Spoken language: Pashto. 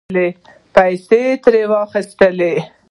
پیسې یې ترې واخستلې